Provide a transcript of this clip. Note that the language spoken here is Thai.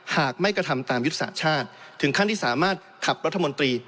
หากไม่กระทำตามยุทธศาสตร์ชาติถึงขั้นที่สามารถขับรัฐมนตรี